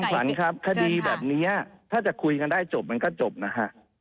ขวัญครับคดีแบบนี้ถ้าจะคุยกันได้จบมันก็จบนะฮะ